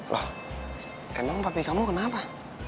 loh emang partai kamu kenapa